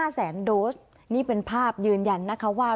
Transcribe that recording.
๕แสนโดสนี่เป็นภาพยืนยันนะคะว่า